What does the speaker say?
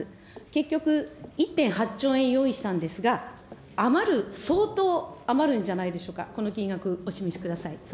結局、１．８兆円用意したんですが、余る、相当余るんじゃないでしょうか、この金額、お示しください。